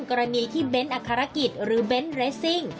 กรณีที่เบ้นอัครกิจหรือเบนท์เรสซิ่ง